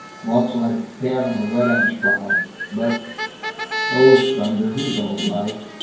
Walks like a cat on a wet ash pile. But Oh thunder, he's all right.